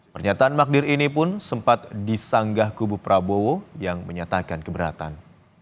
pernyataan magdir ini pun sempat disanggah kubu prabowo yang menyatakan keberatan